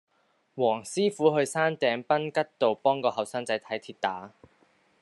黃師傅去山頂賓吉道幫個後生仔睇跌打